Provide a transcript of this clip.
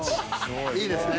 いいですね。